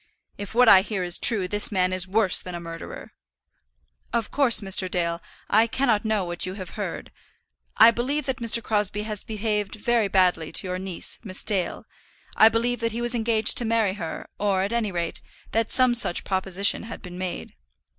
"If what I hear is true, this man is worse than a murderer." "Of course, Mr. Dale, I cannot know what you have heard. I believe that Mr. Crosbie has behaved very badly to your niece, Miss Dale; I believe that he was engaged to marry her, or, at any rate, that some such proposition had been made."